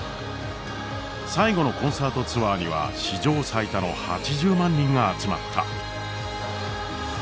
最後のコンサートツアーには史上最多の８０万人が集まった。